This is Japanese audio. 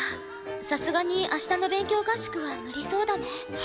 さすがに明日の勉強合宿は無理そうだね。